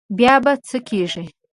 بیا به څه کېږي.